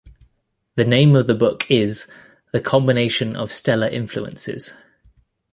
The name of the book is "The Combination of Stellar Influences".